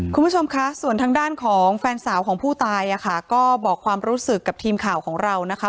คุณผู้ชมคะส่วนทางด้านของแฟนสาวของผู้ตายอ่ะค่ะก็บอกความรู้สึกกับทีมข่าวของเรานะคะ